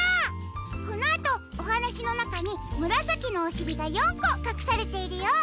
このあとおはなしのなかにむらさきのおしりが４こかくされているよ。